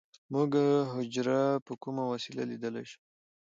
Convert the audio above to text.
موږ حجره په کومه وسیله لیدلی شو